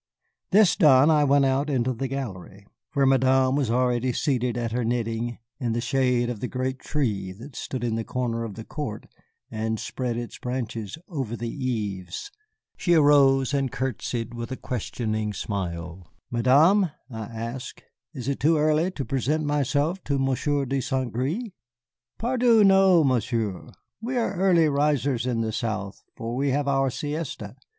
This done, I went out into the gallery, where Madame was already seated at her knitting, in the shade of the great tree that stood in the corner of the court and spread its branches over the eaves. She arose and courtesied, with a questioning smile. "Madame," I asked, "is it too early to present myself to Monsieur de Saint Gré?" "Pardieu, no, Monsieur, we are early risers in the South for we have our siesta.